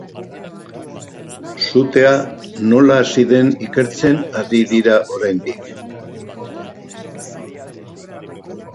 Sutea nola hasi den ikertzen ari dira oraindik.